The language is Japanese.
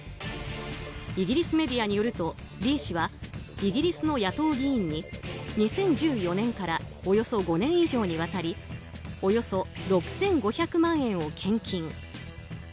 イギリスメディアによるとリー氏はイギリスの野党議員に２０１４年からおよそ５年以上にわたりおよそ６５００万円を献金。